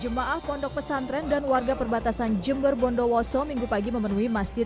jemaah pondok pesantren dan warga perbatasan jember bondowoso minggu pagi memenuhi masjid